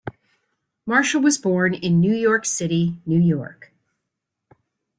Marshall was born in New York City, New York.